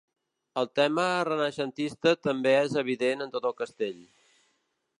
El tema renaixentista també és evident en tot el castell.